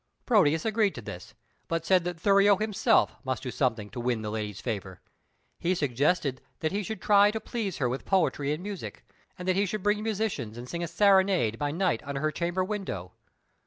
Proteus agreed to this, but said that Thurio himself must do something to win the lady's favour. He suggested that he should try to please her with poetry and music, and that he should bring musicians, and sing a serenade by night under her chamber window.